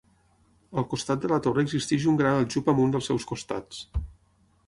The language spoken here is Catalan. Al costat de la torre existeix un gran aljub amb un dels seus costats.